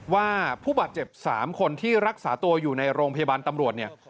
ว่าผู้บาดเจ็บ๓คนที่รักษาตัวอยู่ในโรงพยาบาลตำรวจเนี่ย